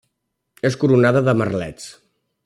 És coronada de merlets.